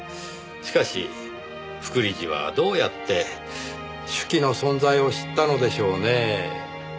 しかし副理事はどうやって手記の存在を知ったのでしょうねぇ。